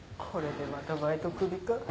これでまたバイト首か。